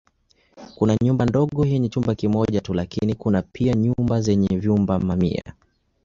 Kuna nyumba ndogo yenye chumba kimoja tu lakini kuna pia nyumba zenye vyumba mamia.